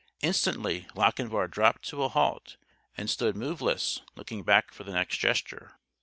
Instantly Lochinvar dropped to a halt and stood moveless, looking back for the next gesture.